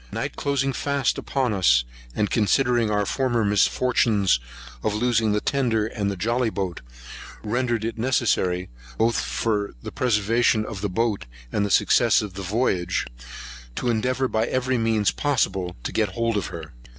Night closing fast upon us, and considering our former misfortunes of losing the tender and jolly boat, rendered it necessary, both for the preservation of the boat, and the success of the voyage, to endeavour, by every possible means, to get hold of her.